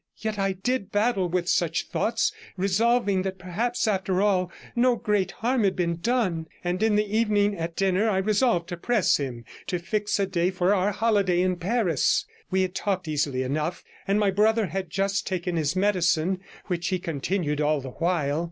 Yet I did battle with such thoughts, resolving that perhaps, after all, no great harm had been done, and in the evening at dinner I resolved to press him to fix a day for our holiday in Paris. We had talked easily enough, and my brother had just taken his medicine, which he continued all the while.